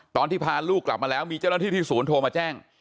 ตอนที่พาลูกกลับมาแล้วมีเจ้าหน้าที่ที่ศูนย์โทรมาแจ้ง